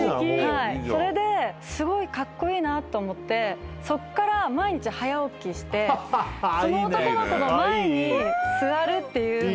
それですごいカッコイイなと思ってそっから毎日早起きしてその男の子の前に座るっていうのをやって。